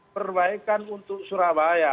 perbaikan untuk surabaya